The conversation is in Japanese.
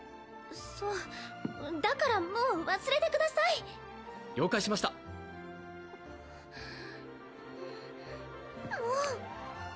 そうだからもう忘れてください了解しましたもう！